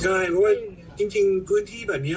ใช่เพราะว่าจริงพื้นที่แบบนี้